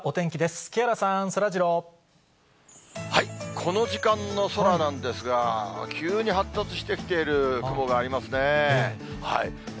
この時間の空なんですが、急に発達してきている雲がありますね。